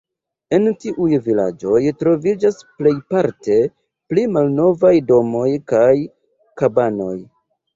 En tiuj vilaĝoj troviĝas plejparte pli malnovaj domoj kaj kabanoj.